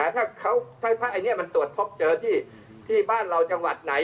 ถ้าอันนี้มันตรวจพบเจอที่บ้านเราจังหวัดไหน